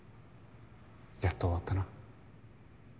やっと終わったな。